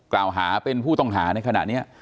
กล่าวหาเป็นผู้ต้องหาในขณะนี้